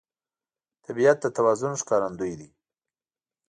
طبیعت د توازن ښکارندوی دی.